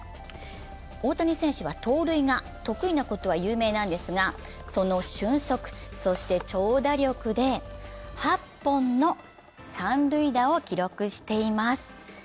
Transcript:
大谷選手は盗塁が得意なことは有名なんですが、その俊足、そして長打力で、８本の三塁打を記録しています。